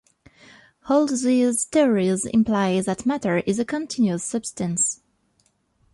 All these theories imply that matter is a continuous substance.